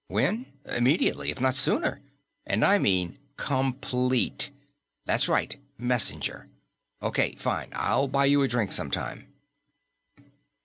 When? Immediately, if not sooner. And I mean complete.... That's right, Messenger.... Okay, fine. I'll buy you a drink sometime."